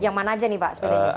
yang mana aja nih pak